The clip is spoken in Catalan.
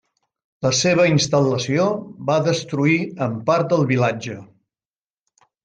La seva instal·lació va destruir en part el vilatge.